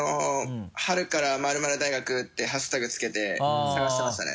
「春から○○大学」ってハッシュタグつけて探してましたね。